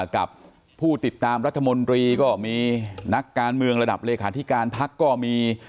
กับผู้ติดตามรัฐมนตรีก็มีนักการเมืองระดับเลขาธิการพักก็มี